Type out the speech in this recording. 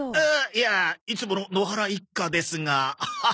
いやいつもの野原一家ですがハハハ。